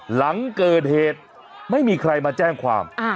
หลังเกิดเหตุไม่มีใครมาแจ้งความ